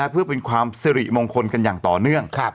เพื่อเป็นความสิริมงคลกันอย่างต่อเนื่อง